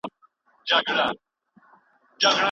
د لویې جرګي پخوانیو غړو کله خپل یادښتونه د کتاب په بڼه چاپ کړل؟